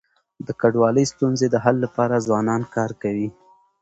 د کډوالی ستونزي د حل لپاره ځوانان کار کوي.